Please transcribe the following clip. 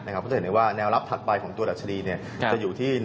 เพราะที่เห็นเลยว่าแนวลับถัดไปของตัวดัชนีลเนี่ยจะอยู่ที่๑๕๔๕จุด